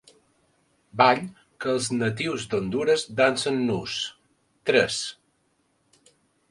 Ball que els natius d'Hondures dansen nus; tres.